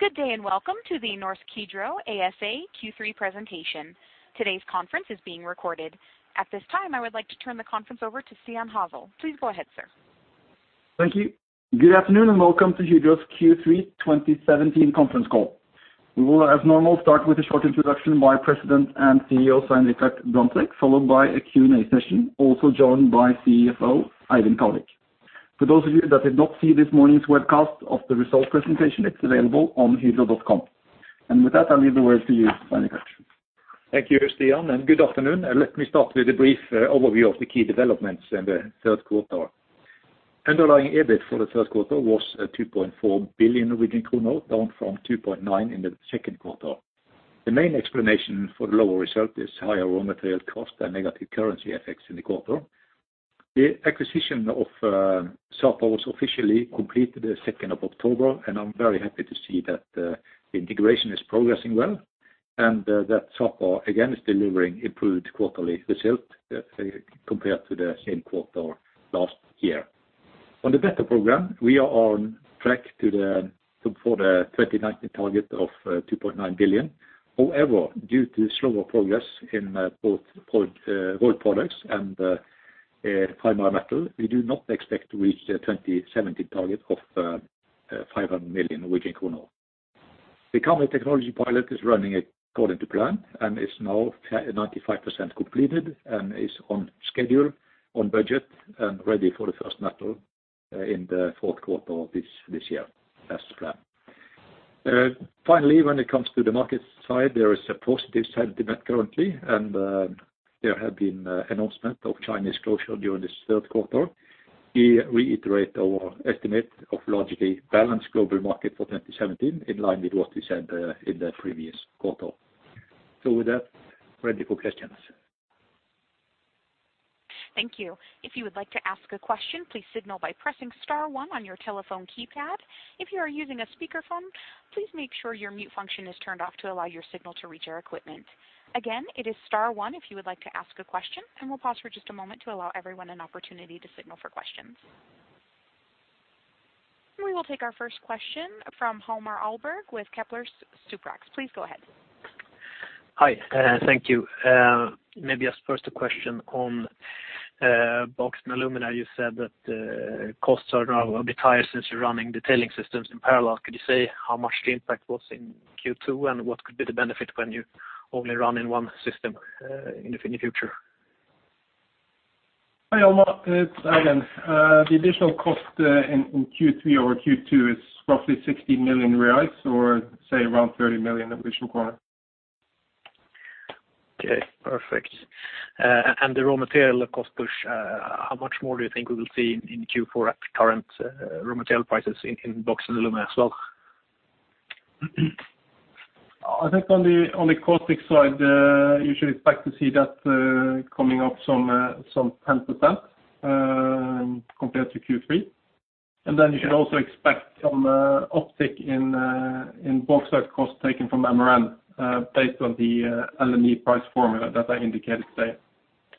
Good day, welcome to the Norsk Hydro ASA Q3 presentation. Today's conference is being recorded. At this time, I would like to turn the conference over to Stian Hasle. Please go ahead, sir. Thank you. Good afternoon, and welcome to Hydro's Q3 2017 conference call. We will, as normal, start with a short introduction by President and CEO Svein Richard Brandtzæg, followed by a Q&A session, also joined by CFO Eivind Kallevik. For those of you that did not see this morning's webcast of the results presentation, it's available on hydro.com. With that, I'll leave the word to you, Svein Richard. Thank you, Stian, good afternoon. Let me start with a brief overview of the key developments in the third quarter. Underlying EBIT for the third quarter was 2.4 billion Norwegian kroner, down from 2.9 billion in the second quarter. The main explanation for the lower result is higher raw material cost and negative currency effects in the quarter. The acquisition of Sapa was officially completed the 2nd of October, I'm very happy to see that the integration is progressing well and that Sapa again is delivering improved quarterly result compared to the same quarter last year. On the BETTER program, we are on track for the 2019 target of 2.9 billion. However, due to slower progress in both rolled products and primary metal, we do not expect to reach the 2017 target of 500 million Norwegian kroner. The Karmøy Technology Pilot is running according to plan and is now 95% completed and is on schedule, on budget, and ready for the first metal in the fourth quarter of this year as planned. Finally, when it comes to the market side, there is a positive sentiment currently, and there have been announcement of Chinese closure during this third quarter. We reiterate our estimate of largely balanced global market for 2017 in line with what we said in the previous quarter. With that, ready for questions. Thank you. If you would like to ask a question, please signal by pressing star one on your telephone keypad. If you are using a speakerphone, please make sure your mute function is turned off to allow your signal to reach our equipment. Again, it is star one if you would like to ask a question, and we'll pause for just a moment to allow everyone an opportunity to signal for questions. We will take our first question from Hjalmar Ahlberg with Kepler Cheuvreux. Please go ahead. Hi, thank you. Maybe I'll first a question on Bauxite & Alumina. You said that costs are now a bit higher since you're running the tailing systems in parallel. Could you say how much the impact was in Q2, and what could be the benefit when you only run in one system, in the future? Hi, Hjalmar. It's Eivind. The additional cost in Q3 over Q2 is roughly 60 million reais or, say, around 30 million additional kroner. Okay, perfect. The raw material cost push, how much more do you think we will see in Q4 at current raw material prices in Bauxite & Alumina as well? I think on the, on the caustic side, you should expect to see that coming up some 10%, compared to Q3. You should also expect some uptick in bauxite costs taken from MRN, based on the LME price formula that I indicated today.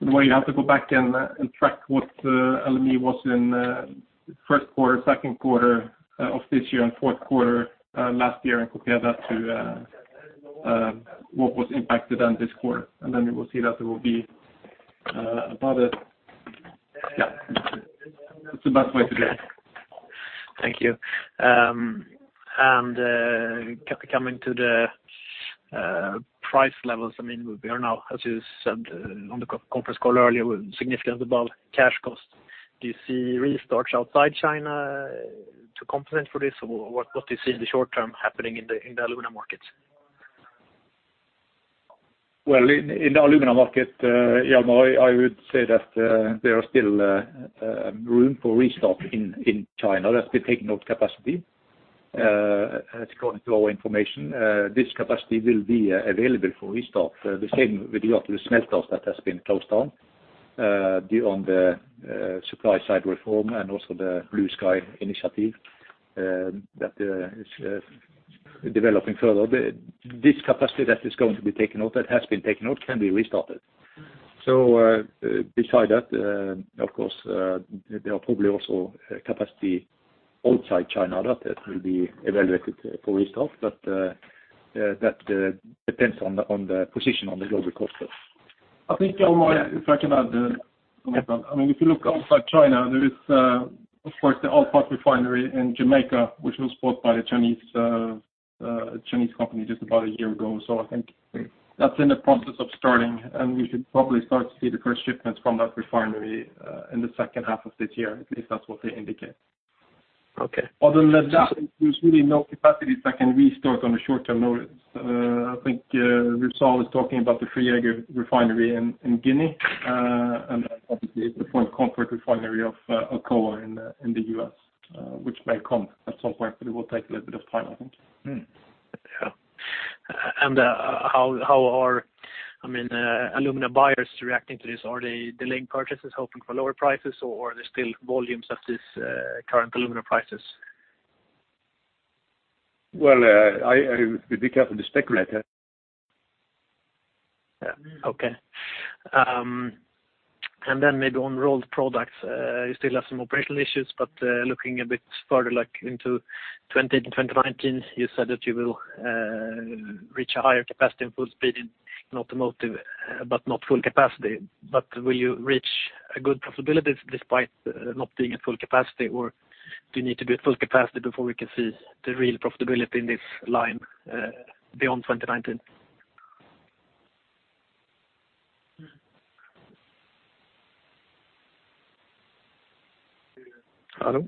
The way you have to go back and track what LME was in first quarter, second quarter of this year and fourth quarter last year and compare that to what was impacted on this quarter. You will see that it will be about it. Yeah. It's the best way to do it. Thank you. Coming to the price levels, I mean, we are now, as you said on the conference call earlier, we're significant above cash costs. Do you see restarts outside China to compensate for this? What do you see in the short term happening in the alumina markets? Well, in the alumina market, Hjalmar, I would say that there are still room for restart in China as they take note capacity. According to our information, this capacity will be available for restart, the same with a lot of the smelt costs that has been closed down beyond the supply side reform and also the Blue Sky initiative, that is developing further. This capacity that is going to be taken out, that has been taken out, can be restarted. Beside that, of course, there are probably also a capacity outside China that it will be evaluated for restart, but that depends on the position on the global cost. I think, Hjalmar, if I can add, I mean, if you look outside China, there is, of course, the Alpart refinery in Jamaica, which was bought by a Chinese company just about a year ago. I think that's in the process of starting, and we should probably start to see the first shipments from that refinery, in the second half of this year, at least that's what they indicate. Okay. Other than that, there's really no capacity that can restart on a short-term notice. I think Rusal is talking about the Fria refinery in Guinea, and then obviously the Point Comfort refinery of Alcoa in the U.S., which may come at some point, but it will take a little bit of time, I think. Yeah. How are, I mean, alumina buyers reacting to this? Are they delaying purchases, hoping for lower prices, or are they still volumes at this current alumina prices? Well, I would be careful to speculate. Yeah. Okay. Maybe on rolled products, you still have some operational issues. Looking a bit further like into 20 to 2019, you said that you will reach a higher capacity and full speed in automotive, but not full capacity. Will you reach a good profitability despite not being at full capacity? Do you need to be at full capacity before we can see the real profitability in this line, beyond 2019? Hello?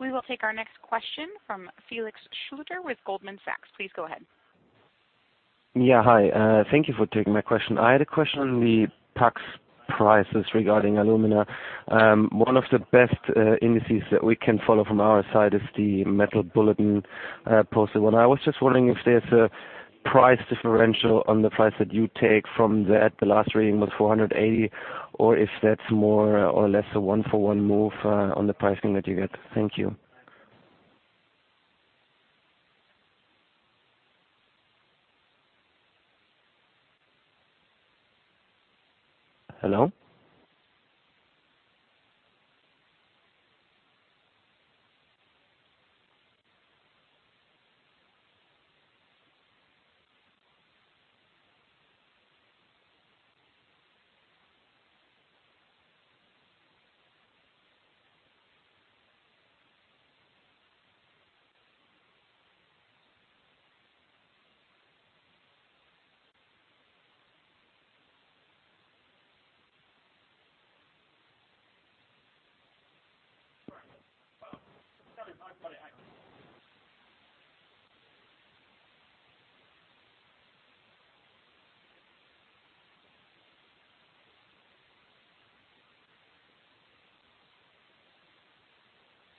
We will take our next question from Felix Schlueter with Goldman Sachs. Please go ahead. Hi. Thank you for taking my question. I had a question on the PAX prices regarding alumina. One of the best indices that we can follow from our side is the Metal Bulletin posted one. I was just wondering if there's a price differential on the price that you take from that, the last reading was $480, or if that's more or less a 1 for 1 move on the pricing that you get. Thank you. Hello?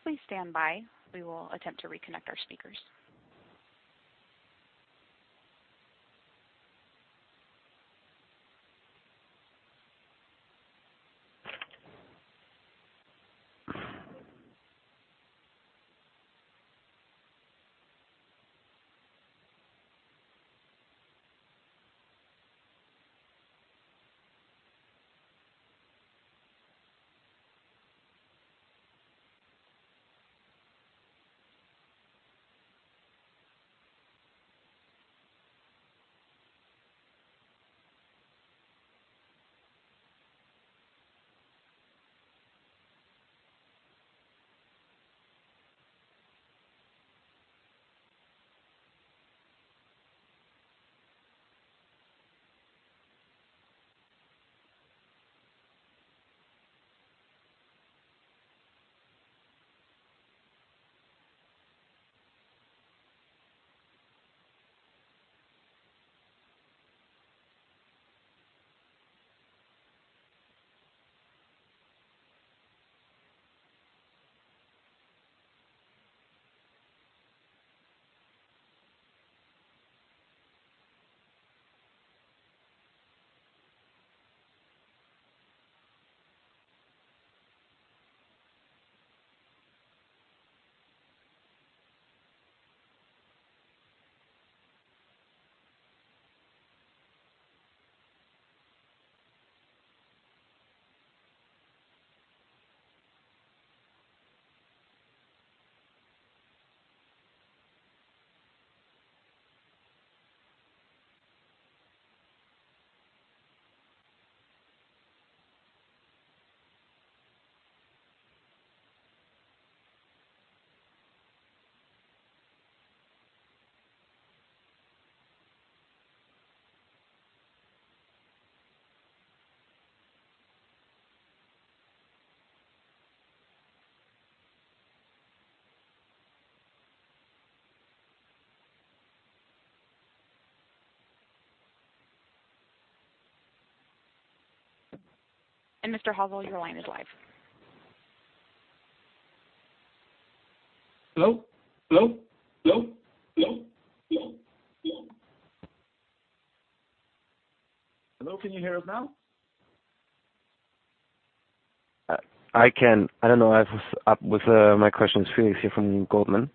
Please stand by. We will attempt to reconnect our speakers. Mr. Kallevik, your line is live. Hello? Can you hear us now? I can. I don't know if it's up with my questions. Felix here from Goldman.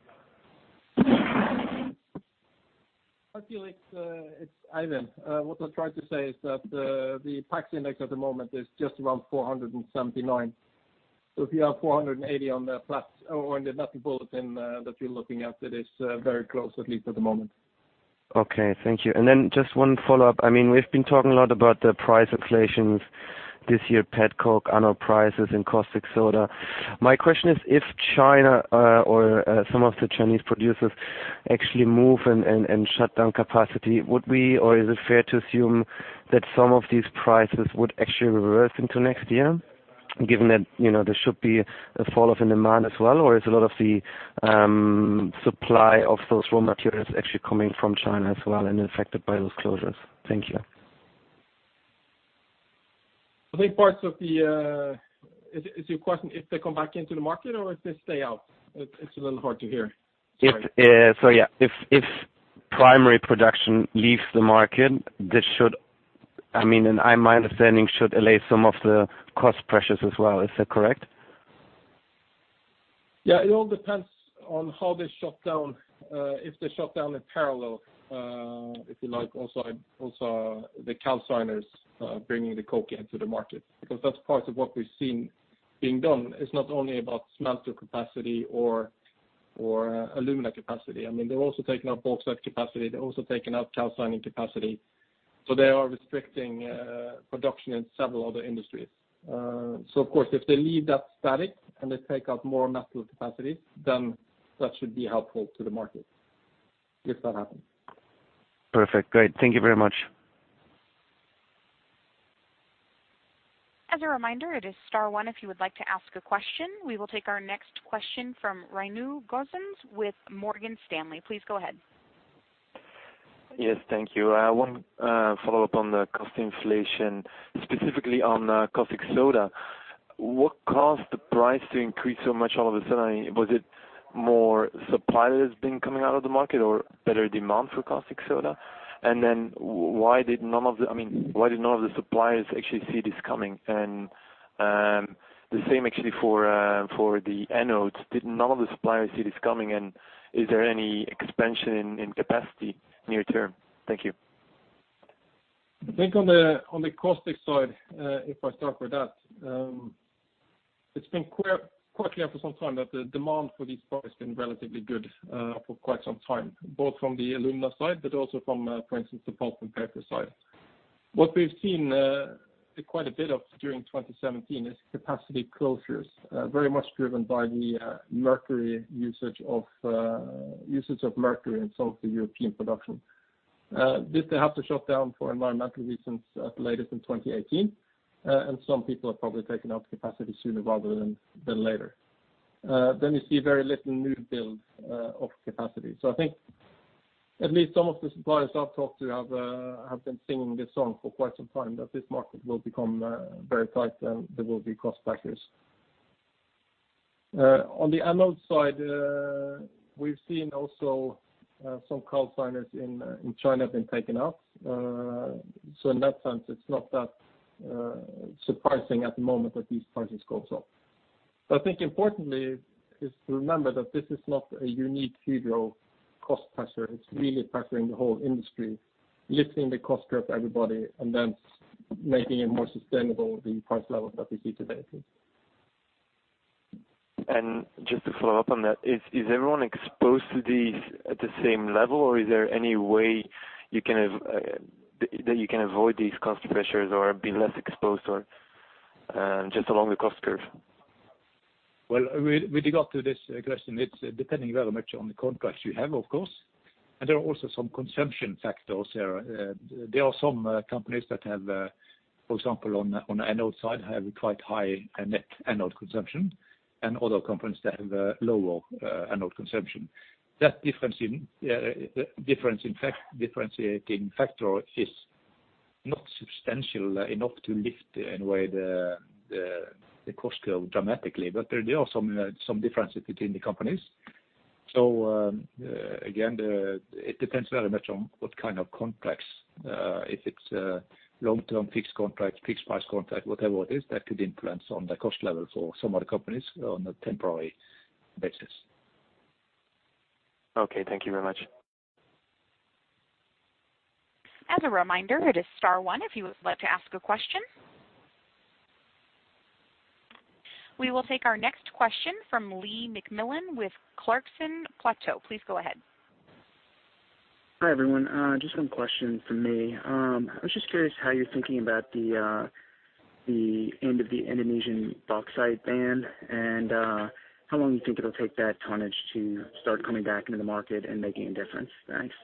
It's Eivind. What I tried to say is that the PAX index at the moment is just around $479. If you have $480 on the flats or on the Metal Bulletin, that you're looking at, it is very close, at least at the moment. Okay, thank you. Just 1 follow-up. I mean, we've been talking a lot about the price escalations this year, pet coke, anode prices, and caustic soda. My question is, if China, or some of the Chinese producers actually move and shut down capacity, would we, or is it fair to assume that some of these prices would actually reverse into next year, given that, you know, there should be a fall off in demand as well? Is a lot of the supply of those raw materials actually coming from China as well and affected by those closures? Thank you. I think parts of the-- Is your question if they come back into the market or if they stay out? It's a little hard to hear. Sorry. If, yeah. If primary production leaves the market, I mean, in my understanding, should allay some of the cost pressures as well. Is that correct? Yeah, it all depends on how they shut down. If the shutdown is parallel, if you like, also the calciners, bringing the coke into the market, because that's part of what we've seen being done. It's not only about smelter capacity or alumina capacity. I mean, they're also taking up bauxite capacity. They're also taking up calcining capacity. They are restricting production in several other industries. Of course, if they leave that static and they take out more metal capacity, then that should be helpful to the market, if that happens. Perfect. Great. Thank you very much. As a reminder, it is star one, if you would like to ask a question. We will take our next question from Menno Sanderse with Morgan Stanley. Please go ahead. Yes, thank you. One follow-up on the cost inflation, specifically on caustic soda. What caused the price to increase so much all of a sudden? Was it more supply that has been coming out of the market or better demand for caustic soda? I mean, why did none of the suppliers actually see this coming? The same actually for the anodes, did none of the suppliers see this coming, and is there any expansion in capacity near term? Thank you. I think on the, on the caustic side, if I start with that, it's been clear, quite clear for some time that the demand for these products been relatively good, for quite some time, both from the alumina side, but also from, for instance, the pulp and paper side. What we've seen, quite a bit of during 2017 is capacity closures, very much driven by the mercury usage of mercury in some of the European production. This they have to shut down for environmental reasons at the latest in 2018. Some people are probably taking out capacity sooner rather than later. We see very little new build of capacity. I think at least some of the suppliers I've talked to have been singing this song for quite some time, that this market will become very tight and there will be cost pressures. On the anode side, we've seen also some calciners in China have been taken out. In that sense, it's not that surprising at the moment that these prices go up. I think importantly is to remember that this is not a unique Hydro cost pressure. It's really pressuring the whole industry, lifting the cost curve everybody and then making it more sustainable the price level that we see today. Just to follow up on that, is everyone exposed to these at the same level, or is there any way that you can avoid these cost pressures or be less exposed or just along the cost curve? Well, we dig up to this question. It's depending very much on the contracts you have, of course, and there are also some consumption factors here. There are some companies that have, for example, on anode side, have quite high net anode consumption and other companies that have lower anode consumption. That differentiating factor is not substantial enough to lift in a way the cost curve dramatically. There are some differences between the companies. Again, it depends very much on what kind of contracts, if it's a long-term fixed contract, fixed price contract, whatever it is, that could influence on the cost levels for some of the companies on a temporary basis. Okay, thank you very much. As a reminder, it is star one if you would like to ask a question. We will take our next question from Lee McMillan with Clarksons Platou. Please go ahead. Hi, everyone. Just one question from me. I was just curious how you're thinking about the end of the Indonesian bauxite ban and how long you think it'll take that tonnage to start coming back into the market and making a difference? Thanks.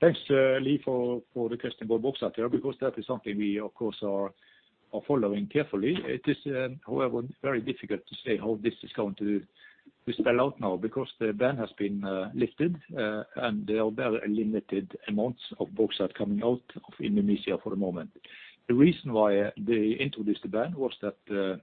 Thanks, Lee, for the question about bauxite there, because that is something we of course are following carefully. It is, however, very difficult to say how this is going to spell out now because the ban has been lifted, and there are very limited amounts of bauxite coming out of Indonesia for the moment. The reason why they introduced the ban was that.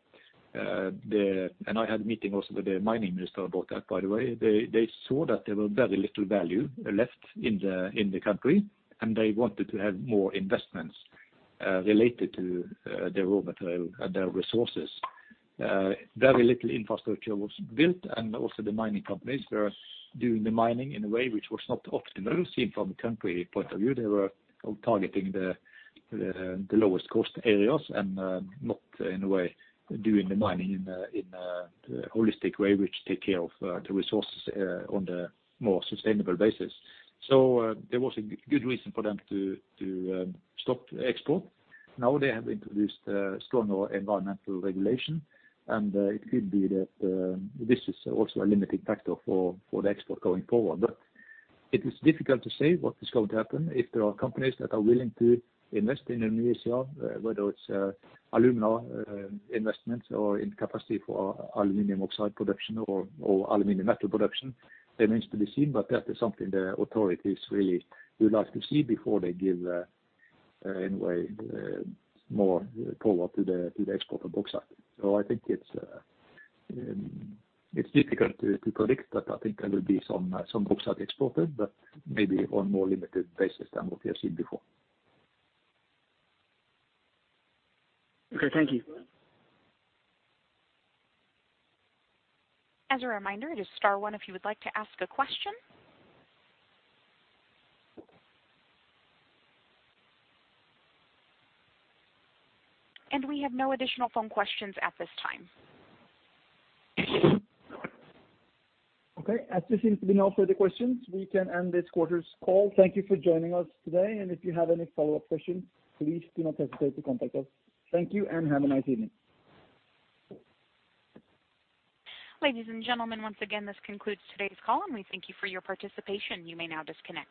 I had a meeting also with the mining minister about that, by the way. They saw that there were very little value left in the country, and they wanted to have more investments related to their raw material and their resources. Very little infrastructure was built, and also the mining companies were doing the mining in a way which was not optimal seen from a country point of view. They were targeting the lowest cost areas and not in a way doing the mining in a holistic way, which take care of the resources on the more sustainable basis. There was a good reason for them to stop export. Now they have introduced stronger environmental regulation, and it could be that this is also a limiting factor for the export going forward. It is difficult to say what is going to happen if there are companies that are willing to invest in Indonesia, whether it's alumina investments or in capacity for aluminum oxide production or aluminum metal production. Remains to be seen. That is something the authorities really would like to see before they give in a way more power to the export of bauxite. I think it's difficult to predict, but I think there will be some bauxite exported, but maybe on more limited basis than what we have seen before. Okay. Thank you. As a reminder, it is star one if you would like to ask a question. We have no additional phone questions at this time. Okay. As there seems to be no further questions, we can end this quarter's call. Thank you for joining us today. If you have any follow-up questions, please do not hesitate to contact us. Thank you, and have a nice evening. Ladies and gentlemen, once again, this concludes today's call, and we thank you for your participation. You may now disconnect.